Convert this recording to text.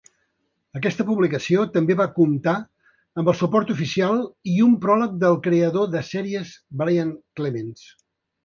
Aquesta publicació també va comptar amb el suport oficial i un pròleg del creador de sèries Brian Clemens.